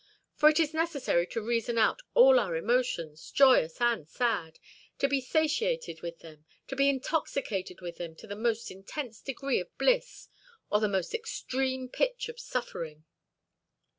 For it is necessary to reason out all our emotions, joyous and sad, to be satiated with them, to be intoxicated with them to the most intense degree of bliss or the most extreme pitch of suffering."